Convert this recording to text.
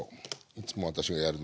いつも私がやるのは。